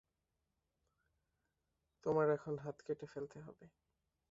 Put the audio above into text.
তোমার এখন হাত কেটে ফেলতে হবে।